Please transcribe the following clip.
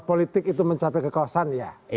politik itu mencapai kekuasaan ya